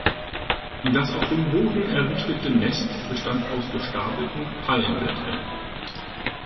Das auf dem Boden errichtete Nest bestand aus gestapelten Palmblättern.